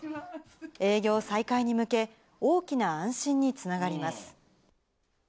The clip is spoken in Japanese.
営業再開に向け、大きな安心につながります。